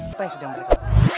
apa yang sedang berlaku